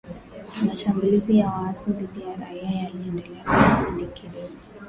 Mashambulizi ya waasi dhidi ya raia yaliendelea kwa kipindi kirefu